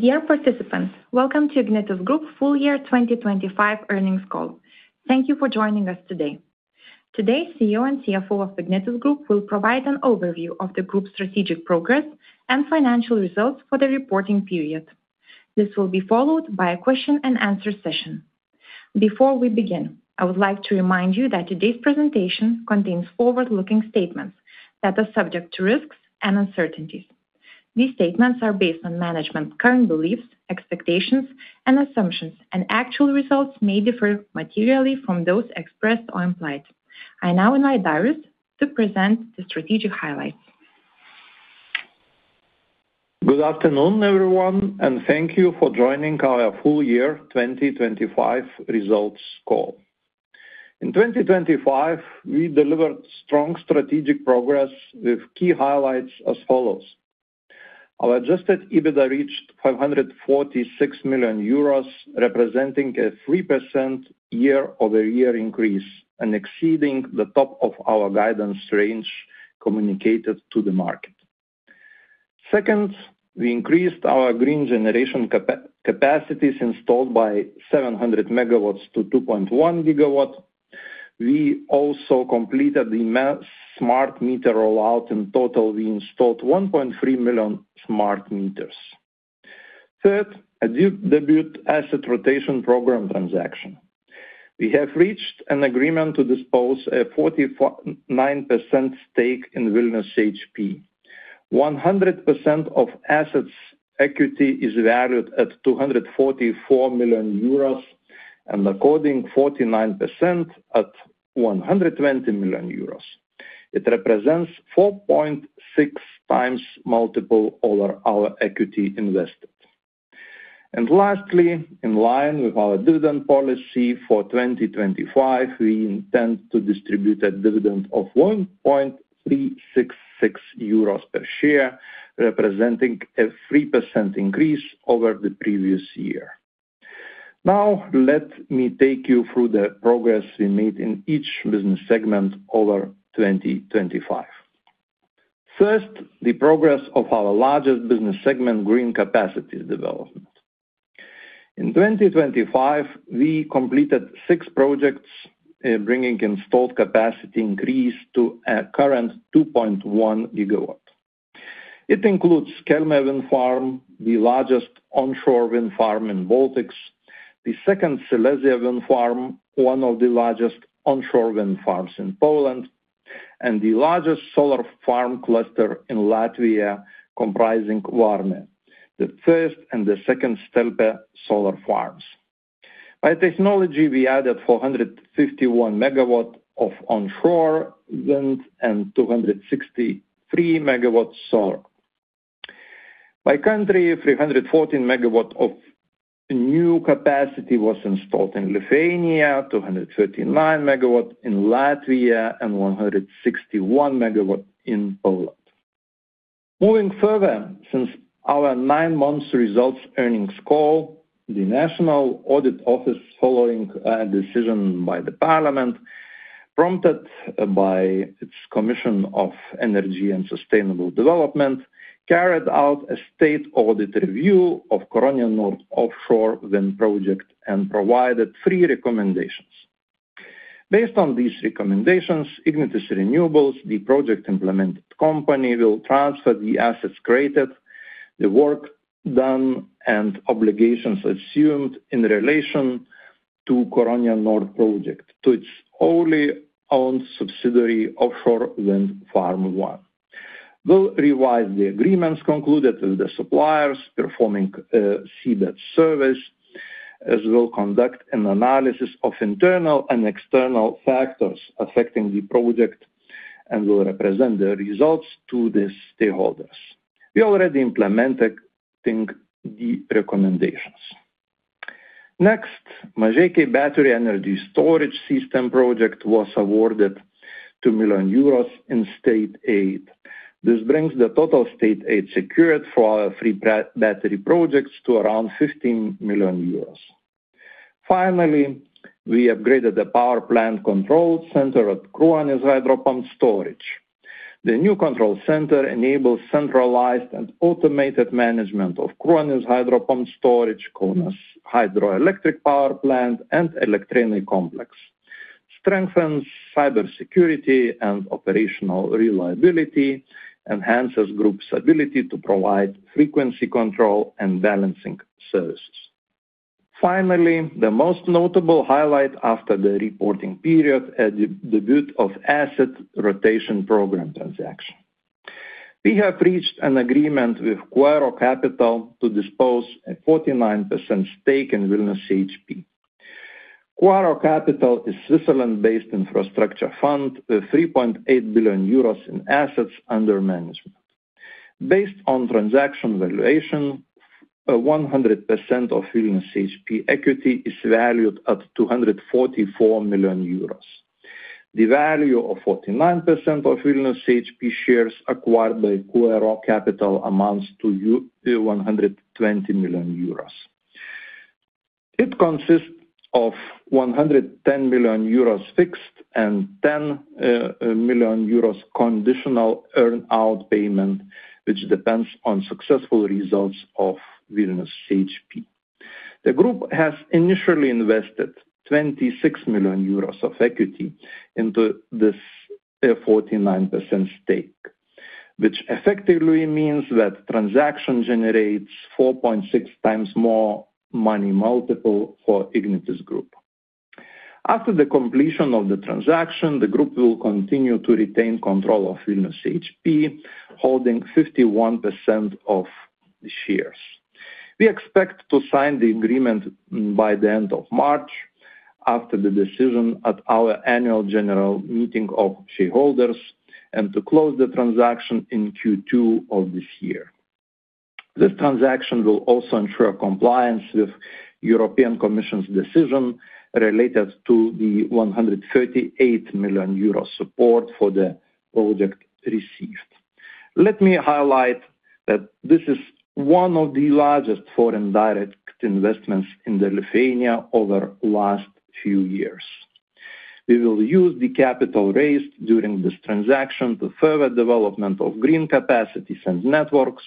Dear participants, welcome to Ignitis Group Full Year 2025 Earnings Call. Thank you for joining us today. Today, CEO and CFO of Ignitis Group will provide an overview of the group's strategic progress and financial results for the reporting period. This will be followed by a question and answer session. Before we begin, I would like to remind you that today's presentation contains forward-looking statements that are subject to risks and uncertainties. These statements are based on management's current beliefs, expectations, and assumptions, and actual results may differ materially from those expressed or implied. I now invite Darius to present the strategic highlights. Good afternoon, everyone, and thank you for joining our full year 2025 results call. In 2025, we delivered strong strategic progress with key highlights as follows: Our adjusted EBITDA reached 546 million euros, representing a 3% year-over-year increase and exceeding the top of our guidance range communicated to the market. Second, we increased our green generation capacities installed by 700 MW to 2.1 GW. We also completed the smart meter rollout. In total, we installed 1.3 million smart meters. Third, a debut asset rotation program transaction. We have reached an agreement to dispose a 49% stake in Vilnius CHP. 100% of assets equity is valued at 244 million euros, and according 49% at 120 million euros. It represents 4.6x multiple over our equity invested. Lastly, in line with our dividend policy for 2025, we intend to distribute a dividend of 1.366 euros per share, representing a 3% increase over the previous year. Now, let me take you through the progress we made in each business segment over 2025. First, the progress of our largest business segment, green capacities development. In 2025, we completed six projects, bringing installed capacity increase to a current 2.1 gigawatt. It includes Kelme Wind Farm, the largest onshore wind farm in Baltics; the second, Silesia Wind Farm, one of the largest onshore wind farms in Poland; and the largest solar farm cluster in Latvia, comprising Vārme, the first and the second Stelpe solar farms. By technology, we added 451 MW of onshore wind and 263 MW solar. By country, 314 MW of new capacity was installed in Lithuania, 239 MW in Latvia, and 161 MW in Poland. Moving further, since our 9-month results earnings call, the National Audit Office, following a decision by the Parliament, prompted by its Commission for Energy and Sustainable Development, carried out a state audit review of Curonian Nord Offshore Wind Project and provided three recommendations. Based on these recommendations, Ignitis Renewables, the project implemented company, will transfer the assets created, the work done, and obligations assumed in relation to Curonian Nord project to its wholly-owned subsidiary, Offshore Wind Farm One. We'll revise the agreements concluded with the suppliers performing, seabed service, as we'll conduct an analysis of internal and external factors affecting the project and will represent the results to the stakeholders. We already implementing the recommendations. Next, Mažeikiai Battery Energy Storage System project was awarded 2 million euros in state aid. This brings the total state aid secured for our three battery projects to around 15 million euros. Finally, we upgraded the power plant control center at Kruonis Hydro Pumped Storage. The new control center enables centralized and automated management of Kruonis Hydro Pumped Storage, Kaunas Hydroelectric Power Plant, and Elektrėnai Complex, strengthens cybersecurity and operational reliability, enhances Group's ability to provide frequency control and balancing services. Finally, the most notable highlight after the reporting period, a debut of asset rotation program transaction. We have reached an agreement with Quaero Capital to dispose a 49% stake in Vilnius CHP. Quaero Capital is Switzerland-based infrastructure fund with 3.8 billion euros in assets under management. Based on transaction valuation, 100% of Vilnius CHP equity is valued at 244 million euros. The value of 49% of Vilnius CHP shares acquired by Quaero Capital amounts to 120 million euros. It consists of 110 million euros fixed and 10 million euros conditional earn out payment, which depends on successful results of Vilnius CHP. The group has initially invested 26 million euros of equity into this 49% stake, which effectively means that transaction generates 4.6 times more money multiple for Ignitis Group. After the completion of the transaction, the group will continue to retain control of Vilnius CHP, holding 51% of the shares. We expect to sign the agreement by the end of March, after the decision at our annual general meeting of shareholders, and to close the transaction in Q2 of this year. This transaction will also ensure compliance with European Commission's decision related to the 138 million euro support for the project received. Let me highlight that this is one of the largest foreign direct investments in the Lithuania over last few years. We will use the capital raised during this transaction to further development of green capacities and networks,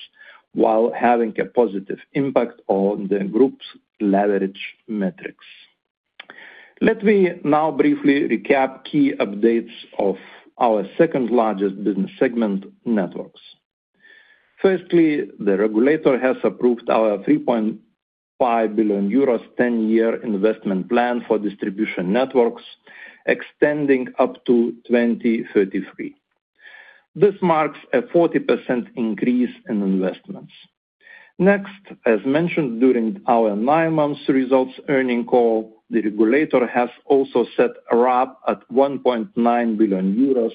while having a positive impact on the group's leverage metrics. Let me now briefly recap key updates of our second-largest business segment, networks. Firstly, the regulator has approved our 3.5 billion euros, 10-year investment plan for distribution networks, extending up to 2033. This marks a 40% increase in investments. Next, as mentioned during our nine months results earnings call, the regulator has also set RAB at 1.9 billion euros,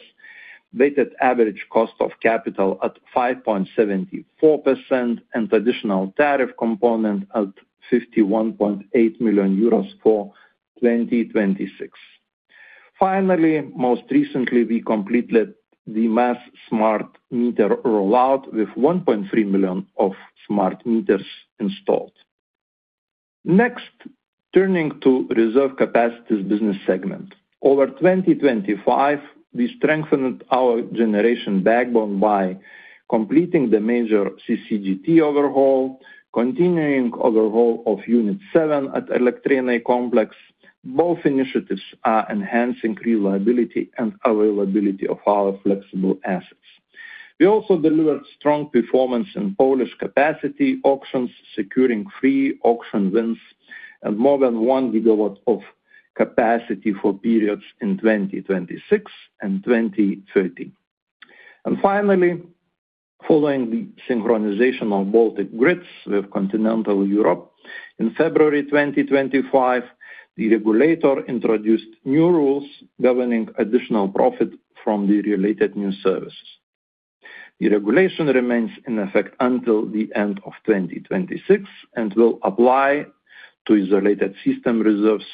weighted average cost of capital at 5.74%, and traditional tariff component at 51.8 million euros for 2026. Finally, most recently, we completed the mass smart meter rollout with 1.3 million of smart meters installed. Next, turning to reserve capacities business segment. Over 2025, we strengthened our generation backbone by completing the major CCGT overhaul, continuing overhaul of unit seven at Elektrėnai Complex. Both initiatives are enhancing reliability and availability of our flexible assets. We also delivered strong performance in Polish capacity auctions, securing three auction wins and more than 1 GW of capacity for periods in 2026 and 2030. Finally, following the synchronization of Baltic grids with continental Europe, in February 2025, the regulator introduced new rules governing additional profit from the related new services. The regulation remains in effect until the end of 2026 and will apply to isolated system reserves,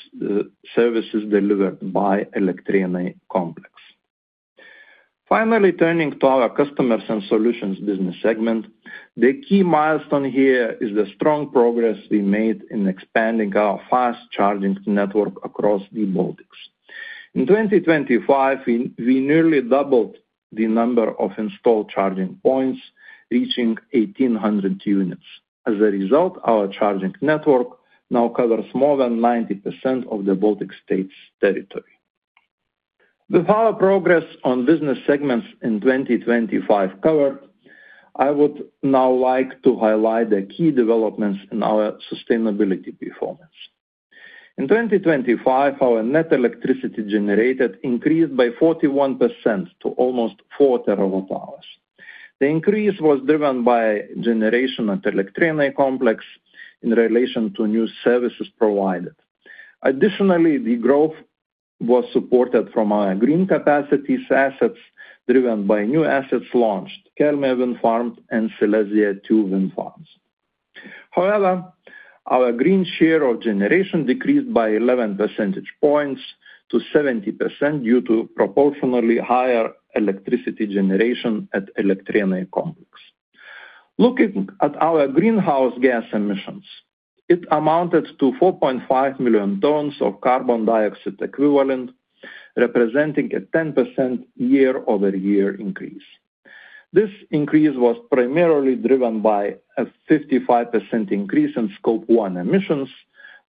services delivered by Elektrėnai Complex. Finally, turning to our customers and solutions business segment. The key milestone here is the strong progress we made in expanding our fast charging network across the Baltics. In 2025, we nearly doubled the number of installed charging points, reaching 1,800 units. As a result, our charging network now covers more than 90% of the Baltic States territory. With our progress on business segments in 2025 covered, I would now like to highlight the key developments in our sustainability performance. In 2025, our net electricity generated increased by 41% to almost 4 TWh. The increase was driven by generation at Elektrėnai Complex in relation to new services provided. Additionally, the growth was supported from our green capacities assets, driven by new assets launched, Kelme Wind Farm and Silesia two wind farms. However, our green share of generation decreased by 11 percentage points to 70% due to proportionally higher electricity generation at Elektrėnai Complex. Looking at our greenhouse gas emissions, it amounted to 4.5 million tons of carbon dioxide equivalent, representing a 10% year-over-year increase. This increase was primarily driven by a 55% increase in Scope 1 emissions,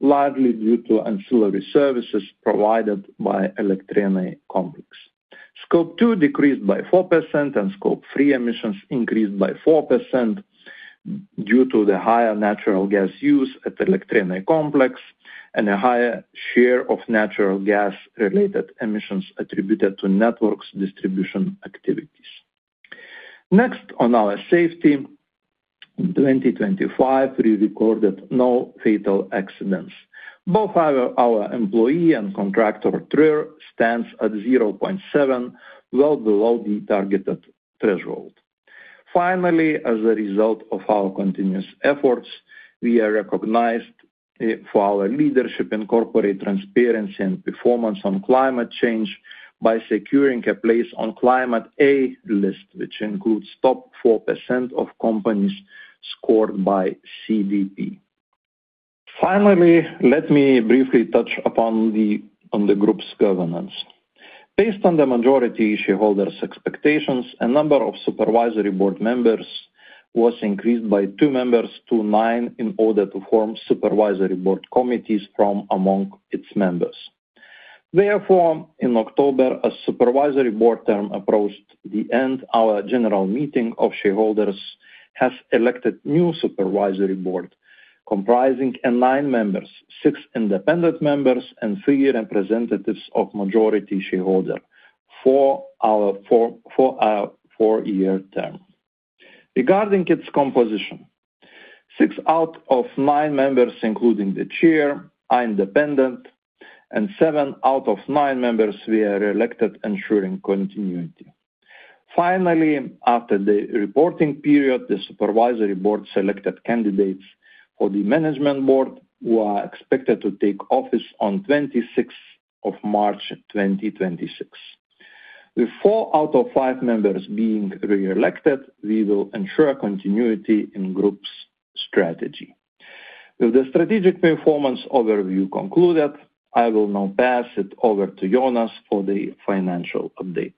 largely due to ancillary services provided by Elektrėnai Complex. Scope 2 decreased by 4%, and scope three emissions increased by 4% due to the higher natural gas use at Elektrėnai Complex, and a higher share of natural gas-related emissions attributed to networks distribution activities. Next, on our safety. In 2025, we recorded no fatal accidents. Both our employee and contractor TRIR stands at 0.7, well below the targeted threshold. Finally, as a result of our continuous efforts, we are recognized for our leadership in corporate transparency and performance on climate change by securing a place on Climate A List, which includes top 4% of companies scored by CDP. Finally, let me briefly touch on the group's governance. Based on the majority shareholders' expectations, a number of supervisory board members was increased by two members to nine in order to form supervisory board committees from among its members. Therefore, in October, a Supervisory Board term approached the end, our general meeting of shareholders has elected new Supervisory Board, comprising a nine members, six independent members, and thre representatives of majority shareholder for our four-year term. Regarding its composition, six out of nine members, including the chair, are independent, and seven out of nine members were reelected, ensuring continuity. Finally, after the reporting period, the Supervisory Board selected candidates for the Management Board, who are expected to take office on twenty-sixth of March, 2026. With four out of five members being reelected, we will ensure continuity in Group's strategy. With the strategic performance overview concluded, I will now pass it over to Jonas for the financial update.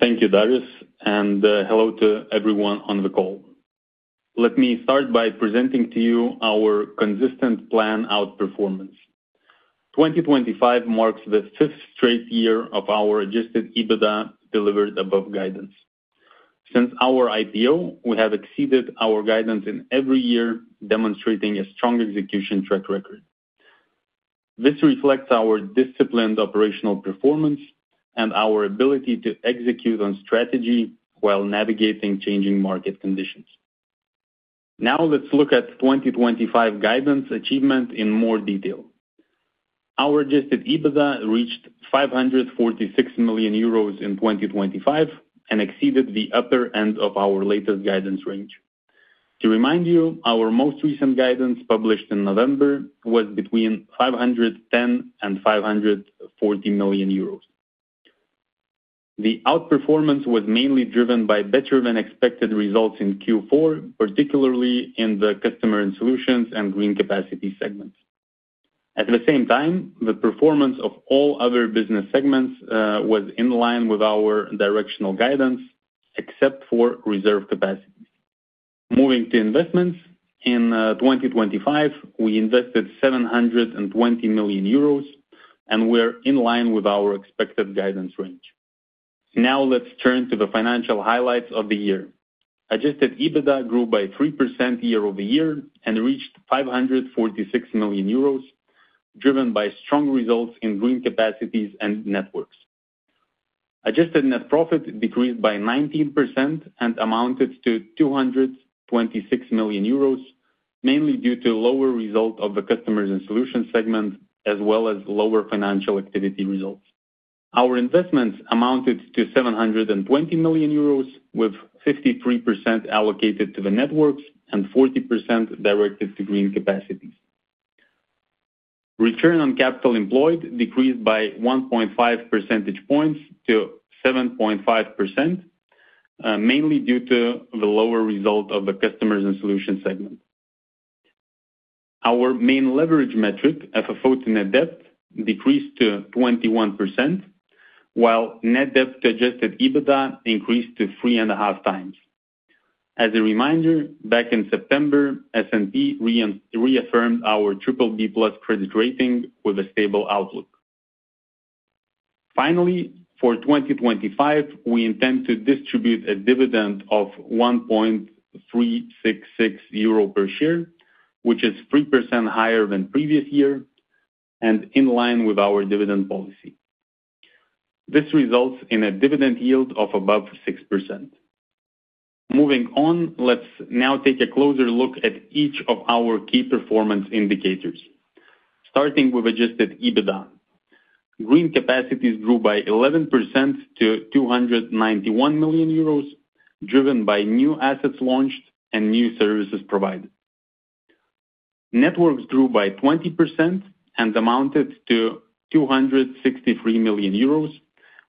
Thank you, Darius, and hello to everyone on the call. Let me start by presenting to you our consistent plan outperformance. 2025 marks the fifth straight year of our adjusted EBITDA, delivered above guidance. Since our IPO, we have exceeded our guidance in every year, demonstrating a strong execution track record. This reflects our disciplined operational performance and our ability to execute on strategy while navigating changing market conditions. Now, let's look at 2025 guidance achievement in more detail. Our adjusted EBITDA reached 546 million euros in 2025 and exceeded the upper end of our latest guidance range. To remind you, our most recent guidance, published in November, was between 510 million euros and 540 million euros. The outperformance was mainly driven by better-than-expected results in Q4, particularly in the customer and solutions and green capacity segments. At the same time, the performance of all other business segments was in line with our directional guidance, except for reserve capacity. Moving to investments, in 2025, we invested 720 million euros, we're in line with our expected guidance range. Let's turn to the financial highlights of the year. Adjusted EBITDA grew by 3% year-over-year and reached 546 million euros, driven by strong results in green capacities and networks. Adjusted net profit decreased by 19% and amounted to 226 million euros, mainly due to lower result of the customers and solutions segment, as well as lower financial activity results. Our investments amounted to 720 million euros, with 53% allocated to the networks and 40% directed to green capacities. Return on capital employed decreased by 1.5 percentage points to 7.5%, mainly due to the lower result of the customers and solutions segment. Our main leverage metric, FFO to net debt, decreased to 21%, while net debt to adjusted EBITDA increased to 3.5x. As a reminder, back in September, S&P reaffirmed our BBB+ credit rating with a stable outlook. For 2025, we intend to distribute a dividend of 1.366 euro per share, which is 3% higher than previous year and in line with our dividend policy. This results in a dividend yield of above 6%. Moving on, let's now take a closer look at each of our key performance indicators. Starting with adjusted EBITDA. Green capacities grew by 11% to 291 million euros, driven by new assets launched and new services provided. Networks grew by 20% and amounted to 263 million euros,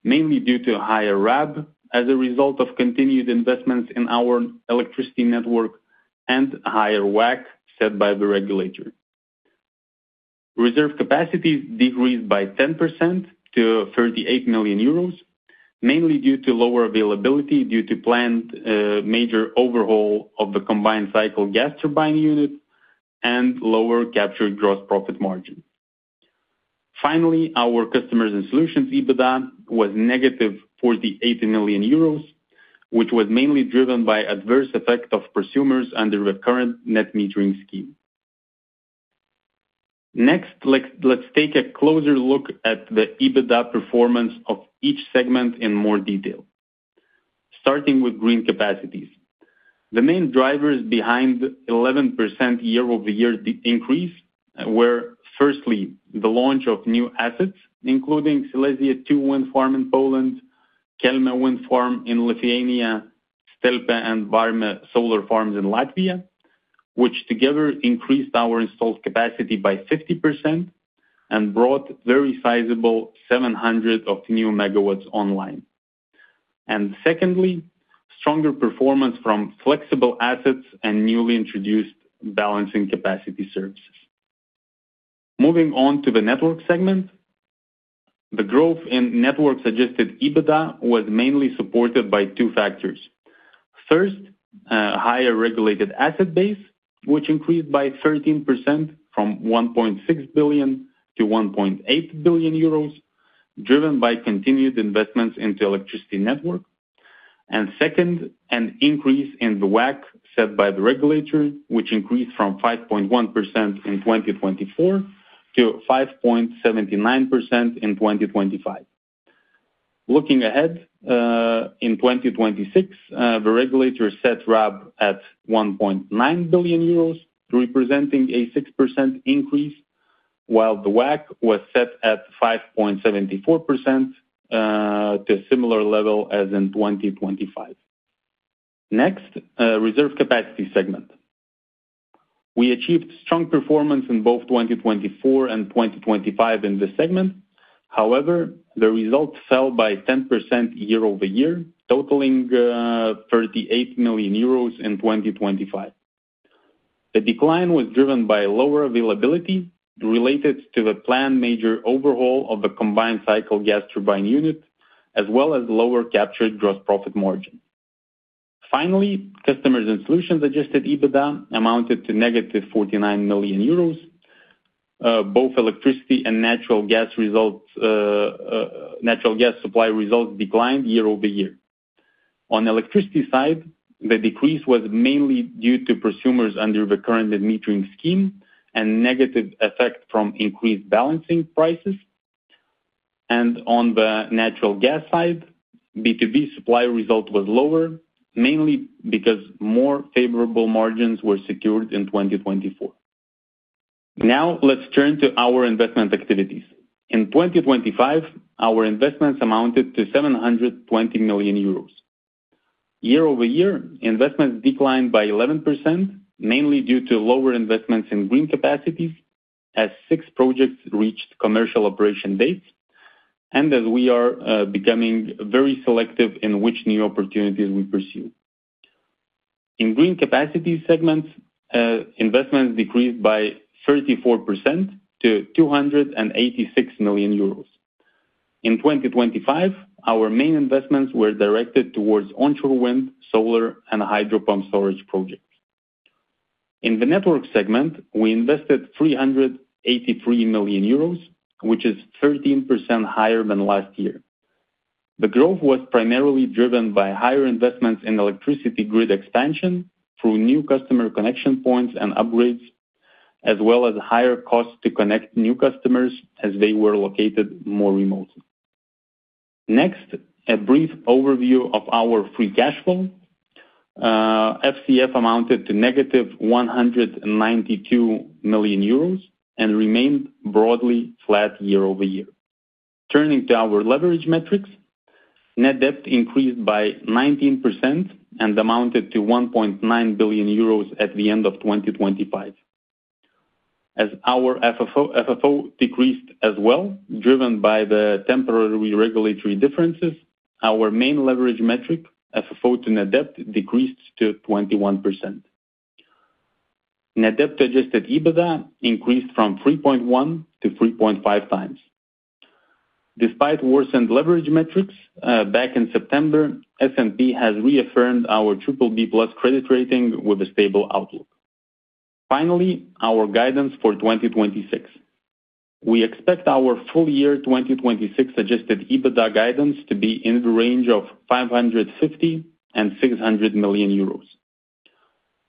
mainly due to higher RAB, as a result of continued investments in our electricity network and higher WACC set by the regulator. Reserve capacities decreased by 10% to 38 million euros, mainly due to lower availability, due to planned major overhaul of the combined cycle gas turbine unit and lower captured gross profit margin. Our customers and solutions EBITDA was negative 48 million euros, which was mainly driven by adverse effect of prosumers under the current net metering scheme. Let's take a closer look at the EBITDA performance of each segment in more detail. Starting with green capacities. The main drivers behind 11% year-over-year increase were, firstly, the launch of new assets, including Silesia two wind farm in Poland, Kelme wind farm in Lithuania, Stelpe and Vārme solar farms in Latvia, which together increased our installed capacity by 50% and brought very sizable 700 of new megawatts online. Secondly, stronger performance from flexible assets and newly introduced balancing capacity services. Moving on to the network segment, the growth in network-adjusted EBITDA was mainly supported by two factors. First, higher regulated asset base, which increased by 13% from 1.6 billion to 1.8 billion euros, driven by continued investments into electricity network. Second, an increase in the WACC set by the regulator, which increased from 5.1% in 2024 to 5.79% in 2025. Looking ahead, in 2026, the regulator set RAB at 1.9 billion euros, representing a 6% increase, while the WACC was set at 5.74%, to a similar level as in 2025. Reserve capacity segment. We achieved strong performance in both 2024 and 2025 in this segment. The results fell by 10% year-over-year, totaling 38 million euros in 2025. The decline was driven by lower availability related to the planned major overhaul of the combined cycle gas turbine unit, as well as lower captured gross profit margin. Customers and solutions adjusted EBITDA amounted to negative 49 million euros. Both electricity and natural gas results, natural gas supply results declined year-over-year. On the electricity side, the decrease was mainly due to prosumers under the current net metering scheme and negative effect from increased balancing prices. On the natural gas side, B2B supply result was lower, mainly because more favorable margins were secured in 2024. Now, let's turn to our investment activities. In 2025, our investments amounted to 720 million euros. Year-over-year, investments declined by 11%, mainly due to lower investments in green capacities, as six projects reached commercial operation dates, and as we are becoming very selective in which new opportunities we pursue. In green capacity segments, investments decreased by 34% to 286 million euros. In 2025, our main investments were directed towards onshore wind, solar, and hydro pump storage projects. In the network segment, we invested 383 million euros, which is 13% higher than last year. The growth was primarily driven by higher investments in electricity grid expansion through new customer connection points and upgrades, as well as higher costs to connect new customers as they were located more remotely. Next, a brief overview of our free cash flow. FCF amounted to negative 192 million euros and remained broadly flat year-over-year. Turning to our leverage metrics, net debt increased by 19% and amounted to 1.9 billion euros at the end of 2025. FFO decreased as well, driven by the temporary regulatory differences, our main leverage metric, FFO to net debt, decreased to 21%. Net debt-adjusted EBITDA increased from 3.1x to 3.5x. Despite worsened leverage metrics, back in September, S&P has reaffirmed our BBB+ credit rating with a stable outlook. Our guidance for 2026. We expect our full year 2026 adjusted EBITDA guidance to be in the range of 550 million-600 million euros.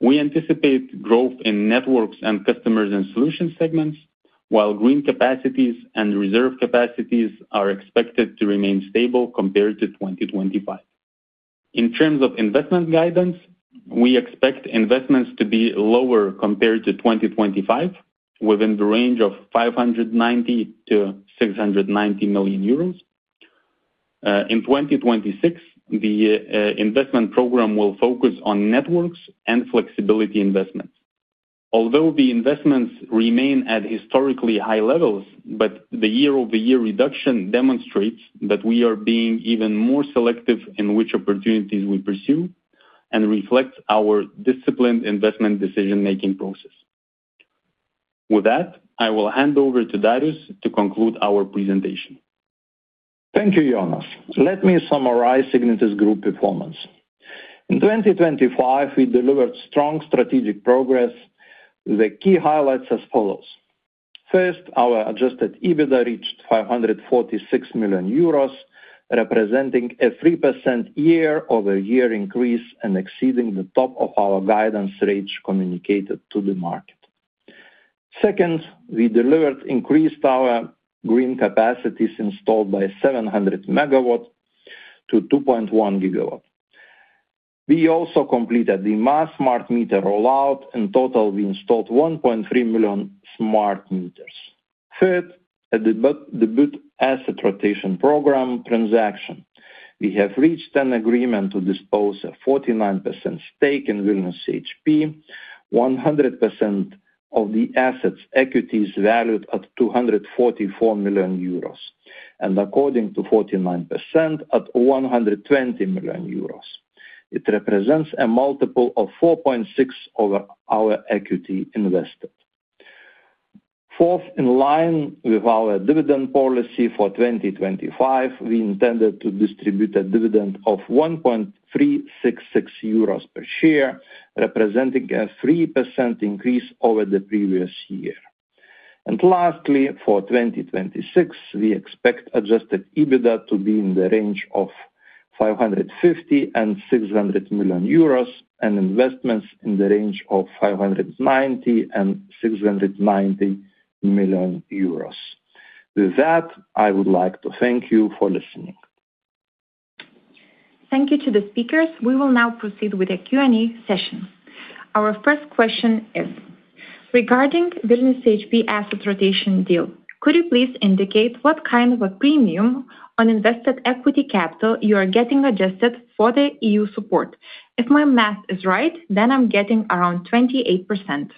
We anticipate growth in networks and customers and solution segments, while green capacities and reserve capacities are expected to remain stable compared to 2025. In terms of investment guidance, we expect investments to be lower compared to 2025, within the range of 590 million-690 million euros. In 2026, the investment program will focus on networks and flexibility investments. Although the investments remain at historically high levels, but the year-over-year reduction demonstrates that we are being even more selective in which opportunities we pursue and reflects our disciplined investment decision-making process. With that, I will hand over to Darius to conclude our presentation. Thank you, Jonas. Let me summarize Ignitis Group performance. In 2025, we delivered strong strategic progress. The key highlights as follows: First, our adjusted EBITDA reached 546 million euros, representing a 3% year-over-year increase and exceeding the top of our guidance range communicated to the market. Second, we delivered increased our green capacities installed by 700 MW to 2.1 GW. We also completed the mass smart meter rollout. In total, we installed 1.3 million smart meters. Third, a debut asset rotation program transaction. We have reached an agreement to dispose a 49% stake in Vilnius CHP, 100%.... of the assets, equity is valued at 244 million euros, and according to 49% at 120 million euros. It represents a multiple of 4.6x over our equity invested. Fourth, in line with our dividend policy for 2025, we intended to distribute a dividend of 1.366 euros per share, representing a 3% increase over the previous year. Lastly, for 2026, we expect adjusted EBITDA to be in the range of 550 million-600 million euros, and investments in the range of 590 million-690 million euros. With that, I would like to thank you for listening. Thank you to the speakers. We will now proceed with the Q&A session. Our first question is: regarding Vilnius CHP asset rotation deal, could you please indicate what kind of a premium on invested equity capital you are getting adjusted for the EU support? If my math is right, then I'm getting around 28%.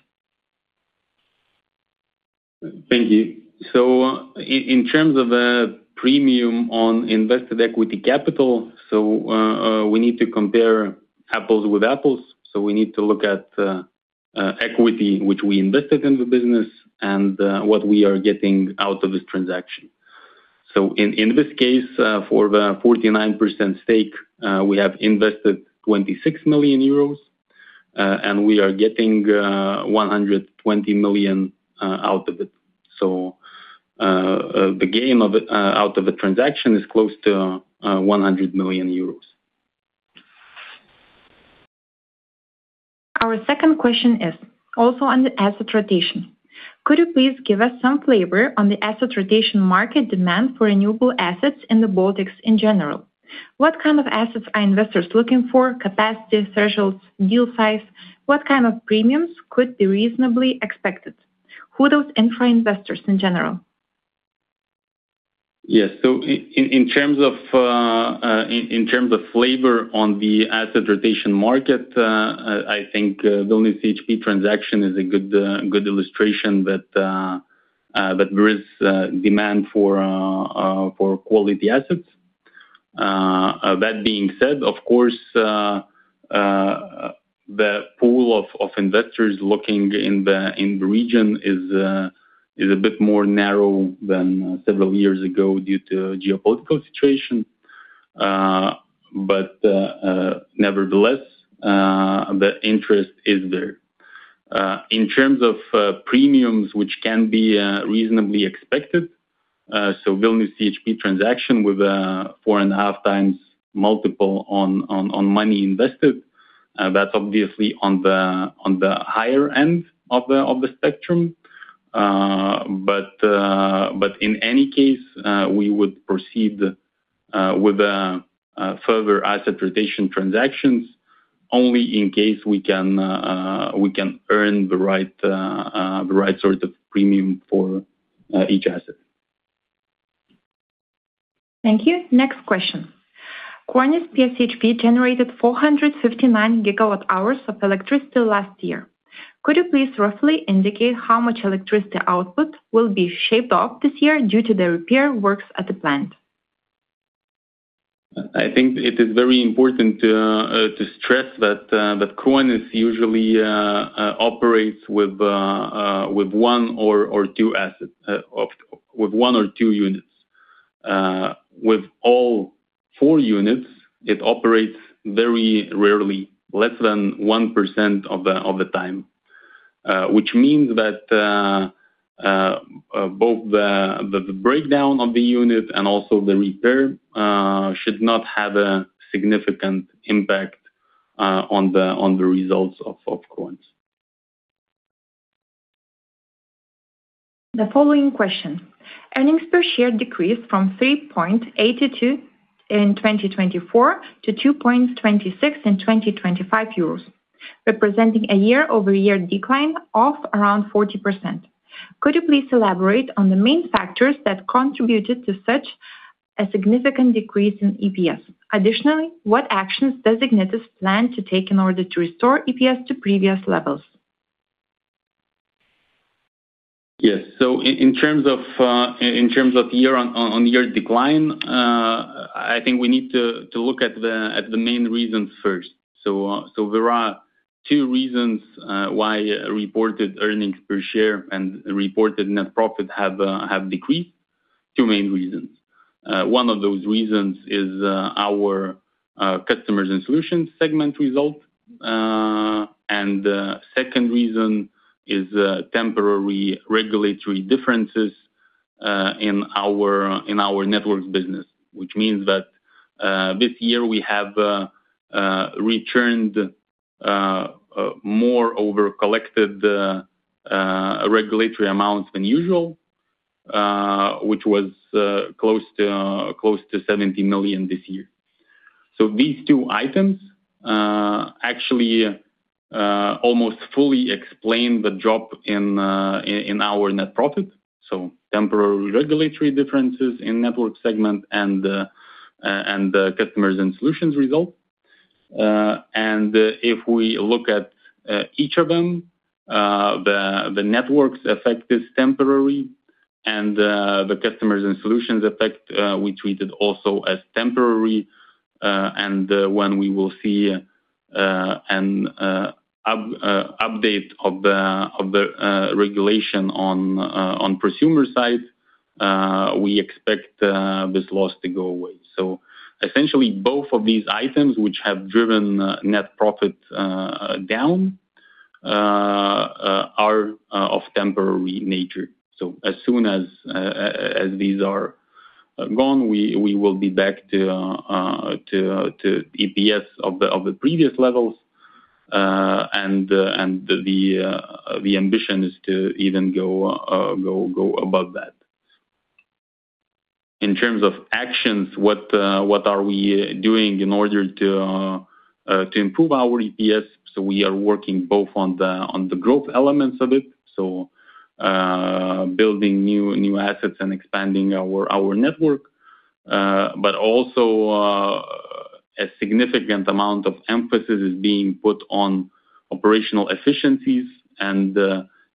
Thank you. In terms of the premium on invested equity capital, we need to compare apples with apples, we need to look at equity, which we invested in the business and what we are getting out of this transaction. In this case, for the 49% stake, we have invested 26 million euros and we are getting 120 million out of it. The gain of it out of the transaction is close to 100 million euros. Our second question is also on the asset rotation. Could you please give us some flavor on the asset rotation market demand for renewable assets in the Baltics in general? What kind of assets are investors looking for, capacity, thresholds, deal size? What kind of premiums could be reasonably expected? Who are those intra investors in general? Yes. In terms of flavor on the asset rotation market, I think the only CHP transaction is a good illustration that there is demand for quality assets. That being said, of course, the pool of investors looking in the region is a bit more narrow than several years ago due to geopolitical situation. Nevertheless, the interest is there. In terms of premiums, which can be reasonably expected, Vilnius CHP transaction with four and a half times multiple on money invested, that's obviously on the higher end of the spectrum. But in any case, we would proceed with the further asset rotation transactions only in case we can earn the right sort of premium for each asset. Thank you. Next question: Kruonis PSP generated 459 GWh of electricity last year. Could you please roughly indicate how much electricity output will be shaped off this year due to the repair works at the plant? I think it is very important to stress that Kruonis usually operates with one or two units. With all four units, it operates very rarely, less than 1% of the time, which means that both the breakdown of the unit and also the repair should not have a significant impact on the results of Kruonis. The following question: earnings per share decreased from 3.82 in 2024 to 2.26 in 2025, representing a year-over-year decline of around 40%. Could you please elaborate on the main factors that contributed to such a significant decrease in EPS? Additionally, what actions does Ignitis plan to take in order to restore EPS to previous levels? Yes. In terms of year on year decline, I think we need to look at the main reasons first. There are two reasons why reported earnings per share and reported net profit have decreased. Two main reasons. One of those reasons is our customers and solutions segment result. And the second reason is temporary regulatory differences in our networks business. Which means that this year we have returned more over collected regulatory amounts than usual, which was close to 70 million this year. These two items, actually, almost fully explain the drop in our net profit, temporary regulatory differences in network segment and the customers and solutions result. And if we look at each of them, the networks effect is temporary, and the customers and solutions effect, we treated also as temporary. And when we will see an update of the regulation on prosumer side, we expect this loss to go away. Essentially, both of these items, which have driven net profit down, are of temporary nature. As soon as these are gone, we will be back to EPS of the previous levels. The ambition is to even go above that. In terms of actions, what are we doing in order to improve our EPS? We are working both on the growth elements of it, so building new assets and expanding our network, but also a significant amount of emphasis is being put on operational efficiencies and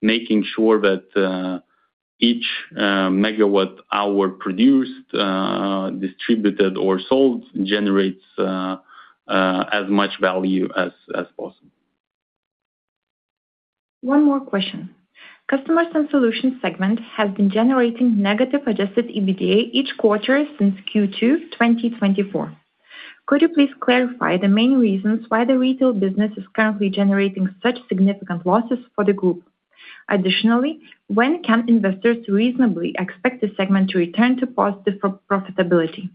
making sure that each megawatt hour produced, distributed, or sold generates as much value as possible. One more question. Customers and Solutions segment has been generating negative adjusted EBITDA each quarter since Q2, 2024. Could you please clarify the main reasons why the retail business is currently generating such significant losses for the group? Additionally, when can investors reasonably expect the segment to return to positive for profitability?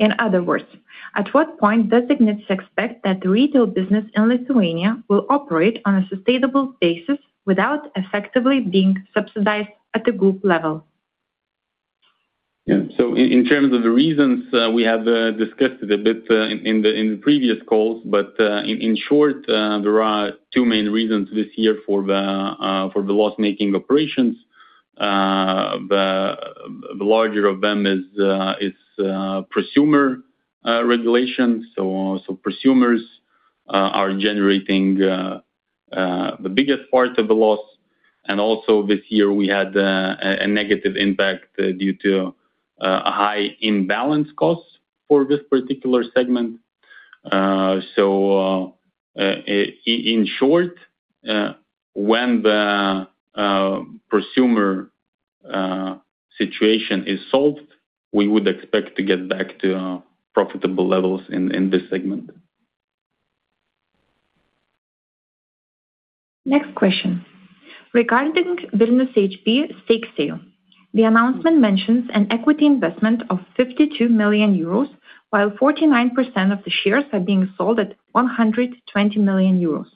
In other words, at what point does Ignitis expect that the retail business in Lithuania will operate on a sustainable basis without effectively being subsidized at the group level? Yeah. In terms of the reasons, we have discussed it a bit, in the previous calls. In short, there are two main reasons this year for the loss-making operations. The larger of them is prosumer regulation. Prosumers are generating the biggest part of the loss. Also this year, we had a negative impact due to a high imbalance cost for this particular segment. In short, when the prosumer situation is solved, we would expect to get back to profitable levels in this segment. Next question: regarding Vilnius CHP stake sale. The announcement mentions an equity investment of 52 million euros, while 49% of the shares are being sold at 120 million euros.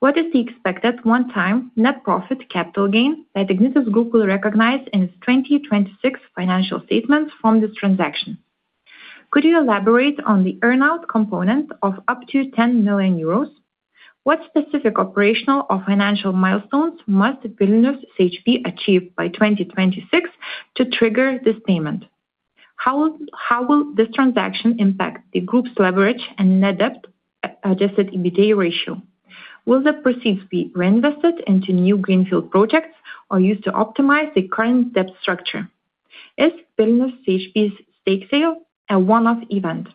What is the expected one-time net profit capital gain that Ignitis Group will recognize in its 2026 financial statements from this transaction? Could you elaborate on the earn-out component of up to 10 million euros? What specific operational or financial milestones must Vilnius CHP achieve by 2026 to trigger this payment? How will this transaction impact the group's leverage and net debt adjusted EBITDA ratio? Will the proceeds be reinvested into new greenfield projects or used to optimize the current debt structure? Is Vilnius CHP's stake sale a one-off event?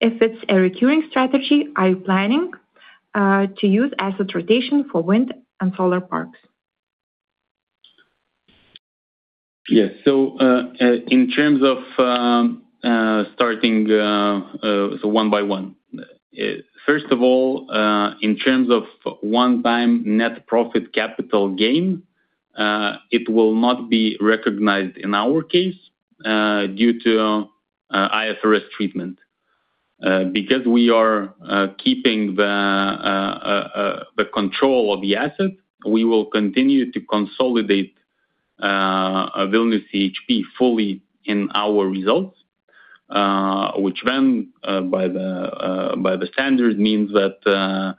If it's a recurring strategy, are you planning to use asset rotation for wind and solar parks? Yes. In terms of starting so one by one. First of all, in terms of one-time net profit capital gain, it will not be recognized in our case due to IFRS treatment. Because we are keeping the control of the asset, we will continue to consolidate Vilnius CHP fully in our results, which then by the standard means that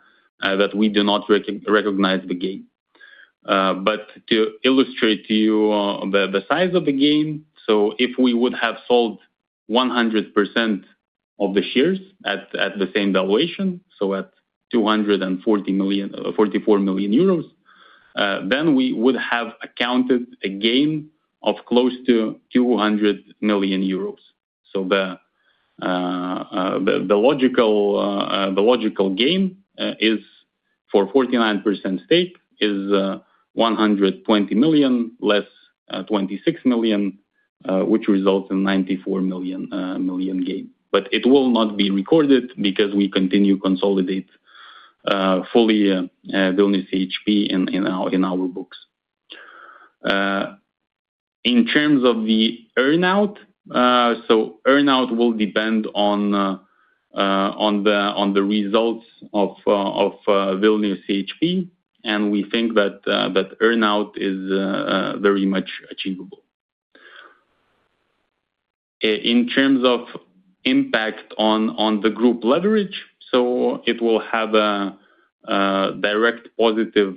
we do not recognize the gain. To illustrate to you the size of the gain, so if we would have sold 100% of the shares at the same valuation, so at 244 million, then we would have accounted a gain of close to 200 million euros. The logical gain is for 49% stake, is 120 million, less 26 million, which results in 94 million gain. It will not be recorded because we continue to consolidate fully Vilnius CHP in our books. In terms of the earn-out, earn-out will depend on the results of Vilnius CHP, and we think that earn-out is very much achievable. In terms of impact on the group leverage, it will have direct positive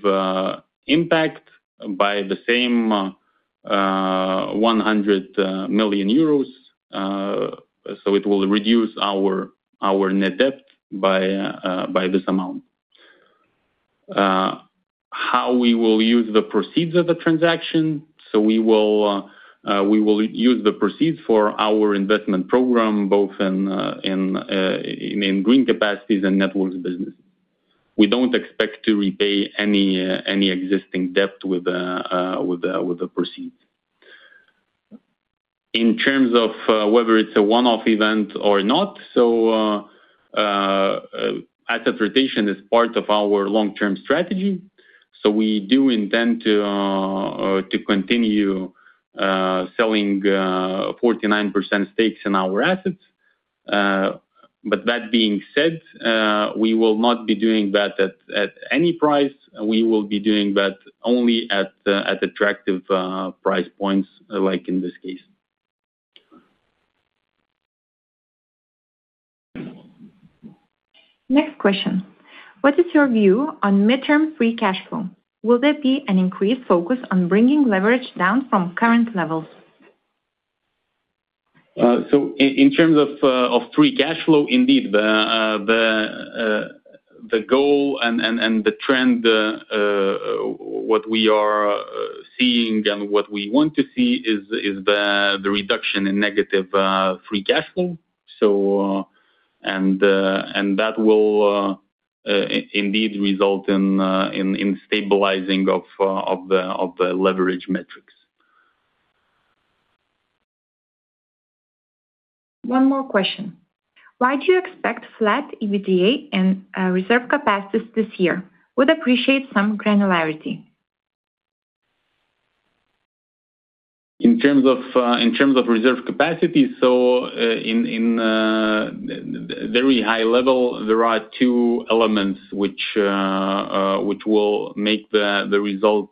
impact by the same 100 million euros. It will reduce our net debt by this amount. How we will use the proceeds of the transaction? We will use the proceeds for our investment program, both in green capacities and networks business. We don't expect to repay any existing debt with the proceeds. In terms of whether it's a one-off event or not, asset rotation is part of our long-term strategy. We do intend to continue selling 49% stakes in our assets. That being said, we will not be doing that at any price. We will be doing that only at attractive price points, like in this case. Next question: What is your view on midterm free cash flow? Will there be an increased focus on bringing leverage down from current levels? In terms of free cash flow, indeed, the goal and the trend what we are seeing and what we want to see is the reduction in negative free cash flow. That will indeed result in stabilizing of the leverage metrics. One more question. Why do you expect flat EBITDA and reserve capacities this year? Would appreciate some granularity. In terms of reserve capacity, so in very high level, there are two elements which will make the result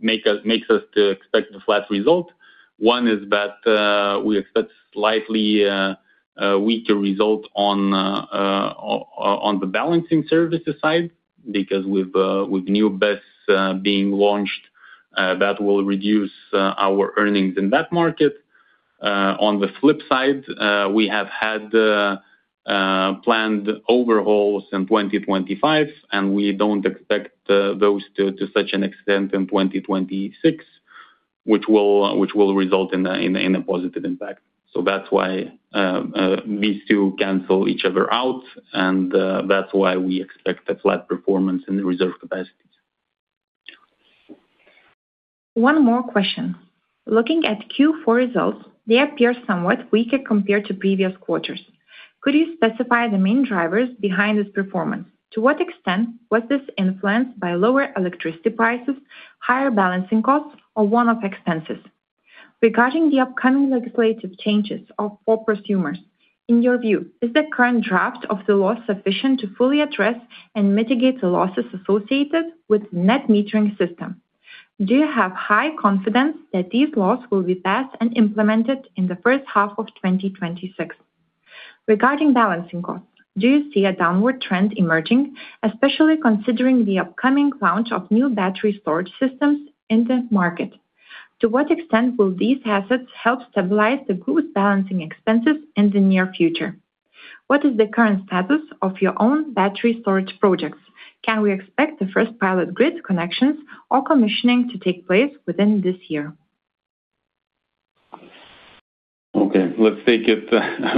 makes us to expect a flat result. One is that we expect slightly weaker result on the balancing services side, because with new BESS being launched, that will reduce our earnings in that market. On the flip side, we have had planned overhauls in 2025, and we don't expect those to such an extent in 2026, which will result in a positive impact. That's why these two cancel each other out, and that's why we expect a flat performance in the reserve capacities. One more question. Looking at Q4 results, they appear somewhat weaker compared to previous quarters. Could you specify the main drivers behind this performance? To what extent was this influenced by lower electricity prices, higher balancing costs, or one-off expenses? Regarding the upcoming legislative changes of prosumers, in your view, is the current draft of the law sufficient to fully address and mitigate the losses associated with net metering system? Do you have high confidence that these laws will be passed and implemented in the first half of 2026? Regarding balancing costs, do you see a downward trend emerging, especially considering the upcoming launch of new battery storage systems in the market? To what extent will these assets help stabilize the group's balancing expenses in the near future? What is the current status of your own battery storage projects? Can we expect the first pilot grid connections or commissioning to take place within this year? Okay, let's take it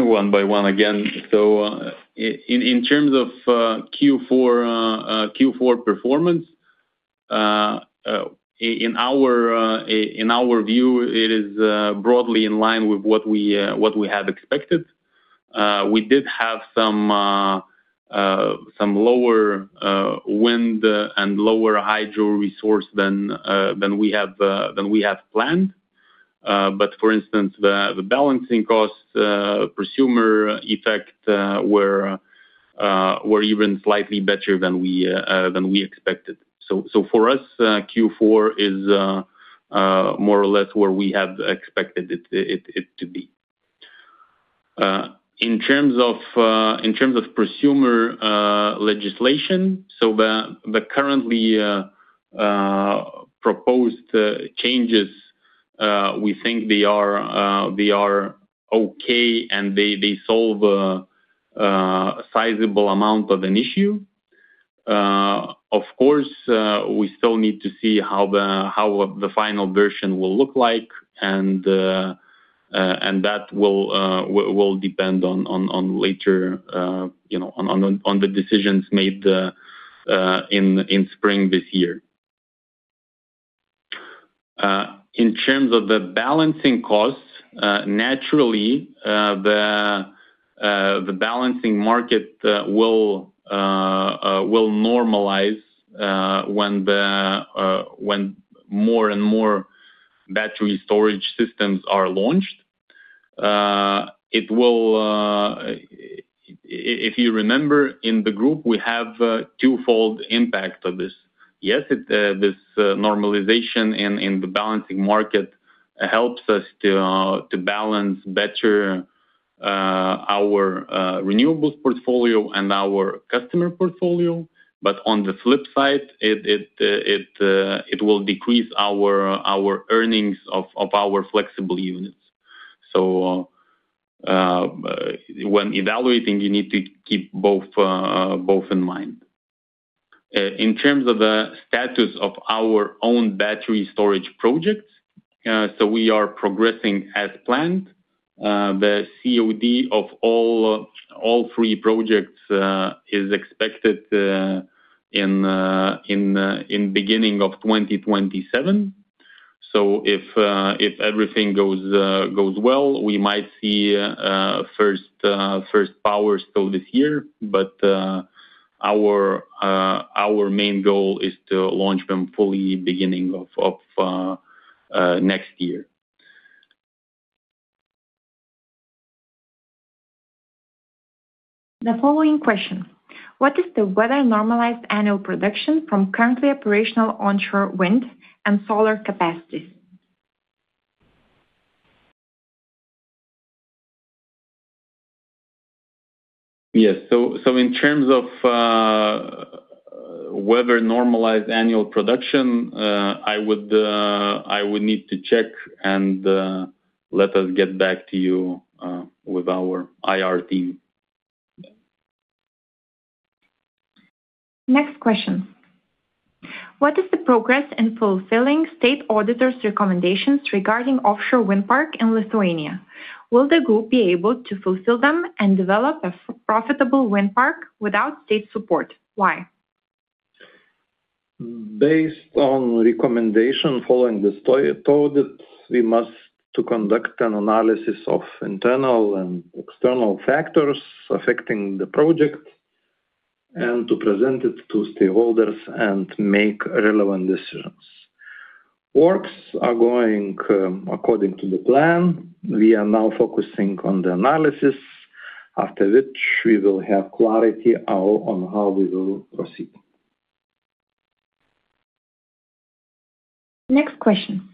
one by one again. In terms of Q4 performance, in our view, it is broadly in line with what we had expected. We did have some lower wind and lower hydro resource than we have planned. For instance, the balancing costs, prosumer effect, were even slightly better than we expected. For us, Q4 is more or less where we had expected it to be. In terms of prosumer legislation, the currently proposed changes, we think they are okay and they solve a sizable amount of an issue. Of course, we still need to see how the final version will look like and that will depend on later, you know, on the decisions made in spring this year. In terms of the balancing costs, naturally, the balancing market will normalize when more and more battery storage systems are launched. It will. If you remember, in the group, we have a twofold impact of this. Yes, it, this normalization in the balancing market helps us to balance better our renewables portfolio and our customer portfolio. On the flip side, it will decrease our earnings of our flexible units. When evaluating, you need to keep both in mind. In terms of the status of our own battery storage project, we are progressing as planned. The COD of all three projects is expected in beginning of 2027. If everything goes well, we might see first power still this year. Our main goal is to launch them fully beginning of next year. The following question: What is the weather-normalized annual production from currently operational onshore wind and solar capacities? Yes. In terms of weather-normalized annual production, I would need to check and let us get back to you with our IR team. Next question: What is the progress in fulfilling state auditor's recommendations regarding offshore wind park in Lithuania? Will the Group be able to fulfill them and develop a profitable wind park without state support? Why? Based on recommendation following the study audit, we must to conduct an analysis of internal and external factors affecting the project, and to present it to stakeholders and make relevant decisions. Works are going according to the plan. We are now focusing on the analysis, after which we will have clarity on how we will proceed. Next question.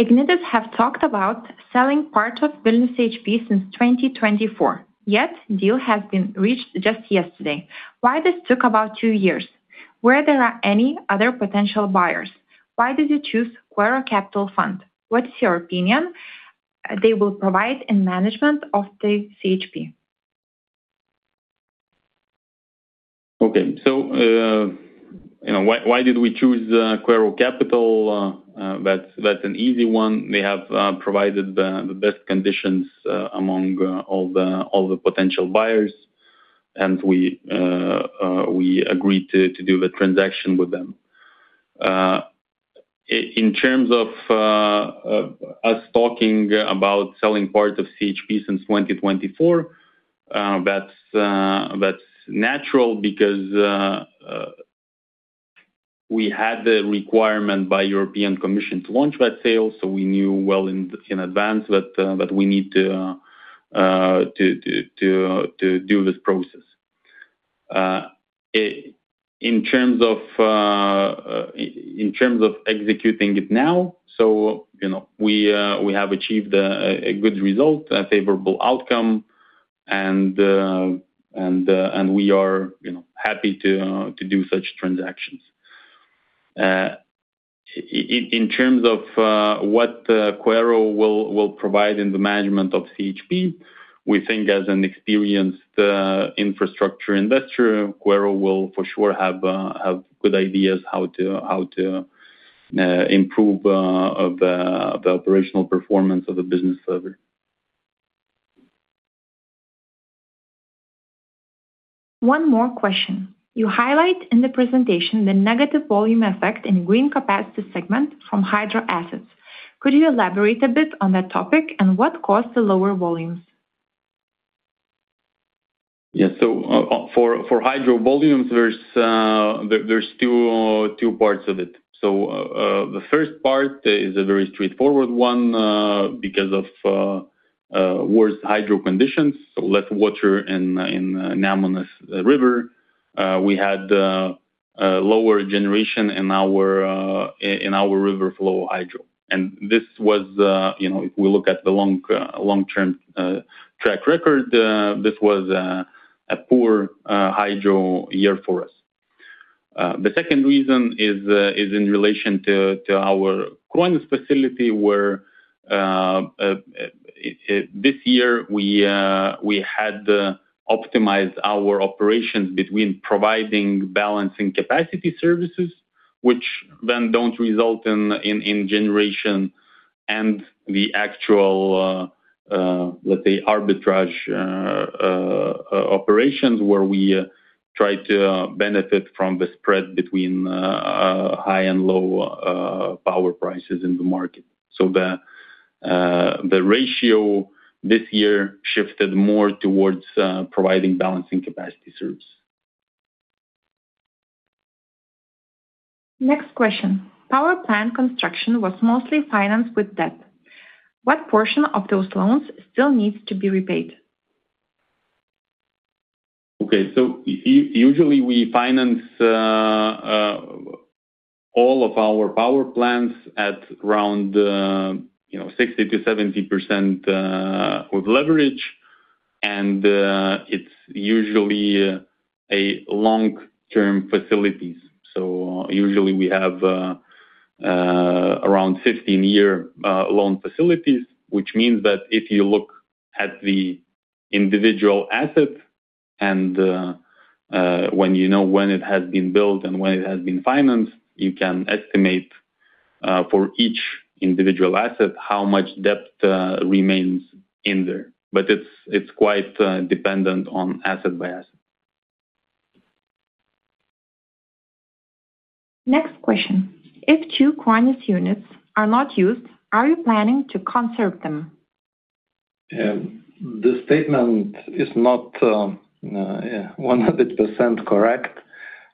Ignitis has talked about selling part of business CHP since 2024, yet deal has been reached just yesterday. Why this took about two years? Were there are any other potential buyers? Why did you choose Quaero Capital Fund? What is your opinion they will provide in management of the CHP? Okay. you know, why did we choose Quaero Capital? That's an easy one. They have provided the best conditions among all the potential buyers, and we agreed to do the transaction with them. In terms of us talking about selling part of CHP since 2024, that's natural because we had the requirement by European Commission to launch that sale, so we knew well in advance that we need to do this process. In terms of in terms of executing it now, so, you know, we have achieved a good result, a favorable outcome, and we are, you know, happy to do such transactions. In terms of what Quaero Capital will provide in the management of CHP, we think as an experienced infrastructure investor, Quaero Capital will for sure have good ideas how to improve of the operational performance of the business further. One more question: You highlight in the presentation the negative volume effect in green capacity segment from hydro assets. Could you elaborate a bit on that topic and what caused the lower volumes? Yes. For hydro volumes, there's two parts of it. The first part is a very straightforward one because of worse hydro conditions, so less water in Nemunas River. We had a lower generation in our river flow hydro. This was, you know, if we look at the long long-term track record, this was a poor hydro year for us. The second reason is in relation to our Kruonis facility, where this year we had to optimize our operations between providing balancing capacity services, which then don't result in generation, and the actual, let's say, arbitrage operations, where we try to benefit from the spread between high and low power prices in the market. The ratio this year shifted more towards providing balancing capacity service. Next question: Power plant construction was mostly financed with debt. What portion of those loans still needs to be repaid? Okay, usually we finance all of our power plants at around, you know, 60%-70%, with leverage, and it's usually a long-term facilities. Usually we have around 15-year loan facilities, which means that if you look at the individual assets and when you know when it has been built and when it has been financed, you can estimate for each individual asset, how much debt remains in there. It's, it's quite dependent on asset by asset. Next question: If two Kruonis units are not used, are you planning to conserve them? The statement is not 100% correct.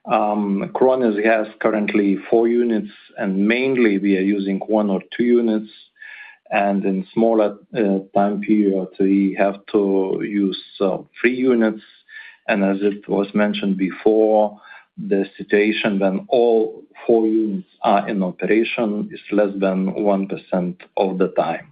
Kruonis has currently four units, and mainly we are using one or two units, and in smaller time period, we have to use three units. As it was mentioned before, the situation when all four units are in operation is less than 1% of the time.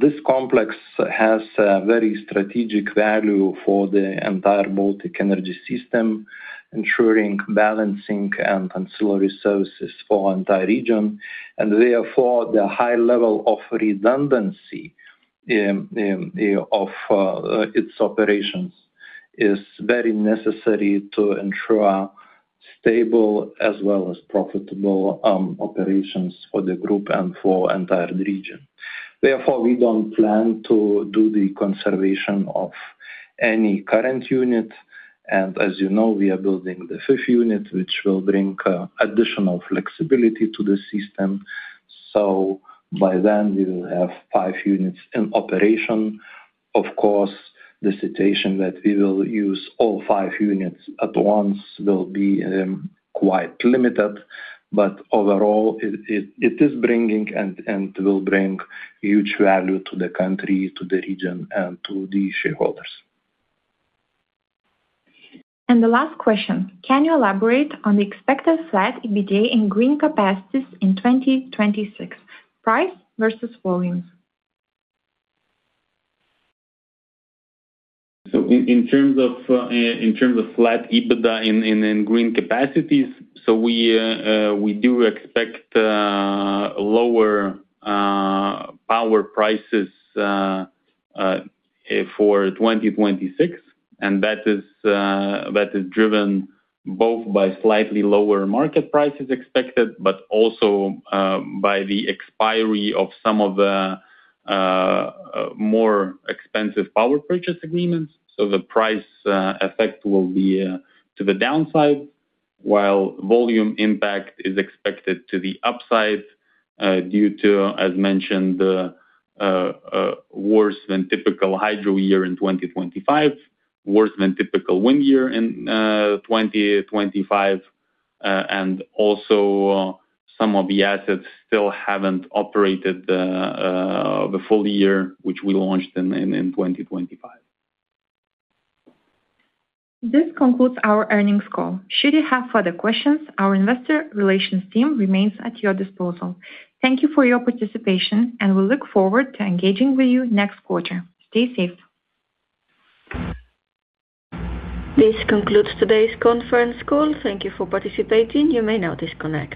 This complex has a very strategic value for the entire Baltic energy system, ensuring balancing and ancillary services for entire region. Therefore, the high level of redundancy of its operations is very necessary to ensure stable as well as profitable operations for the group and for entire region. Therefore, we don't plan to do the conservation of any current unit, and as you know, we are building the fifth unit, which will bring additional flexibility to the system, so by then we will have five units in operation. Of course, the situation that we will use all five units at once will be quite limited, but overall, it is bringing and will bring huge value to the country, to the region, and to the shareholders. The last question: Can you elaborate on the expected flat EBITDA in green capacities in 2026, price versus volumes? In terms of flat EBITDA in green capacities, we do expect lower power prices for 2026, and that is driven both by slightly lower market prices expected, but also by the expiry of some of the more expensive power purchase agreements. The price effect will be to the downside, while volume impact is expected to the upside, due to, as mentioned, the worse than typical hydro year in 2025, worse than typical wind year in 2025, and also some of the assets still haven't operated the full year, which we launched in 2025. This concludes our earnings call. Should you have further questions, our investor relations team remains at your disposal. Thank you for your participation, and we look forward to engaging with you next quarter. Stay safe. This concludes today's conference call. Thank you for participating. You may now disconnect.